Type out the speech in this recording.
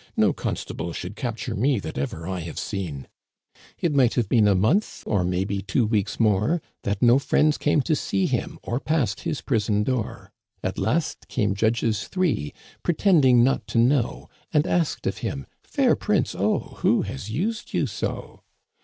No constable could capture me that ever I have seen !'" It might have been a month, or may be two weeks more, That no friends came to see him or passed his prison door ; At last came judges three, pretending not to know, And asked of him, * Fair prince, oh, who has used you so